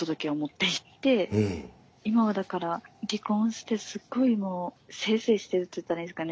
今はだから離婚してすごいもう清々してるって言ったらいいんですかね